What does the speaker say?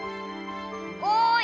おい！